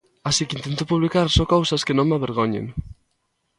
Así que intento publicar só cousas que non me avergoñen.